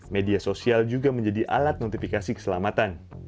media sosial juga menjadi alat notifikasi keselamatan